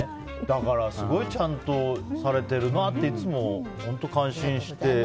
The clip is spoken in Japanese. だから、すごいちゃんとされてるなっていつも本当感心して。